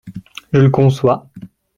Je le conçois.